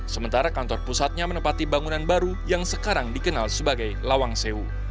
sementara kantor pusatnya menempati bangunan baru yang sekarang dikenal sebagai lawang sewu